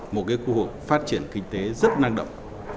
một khu vực phát triển kinh tế rất năng động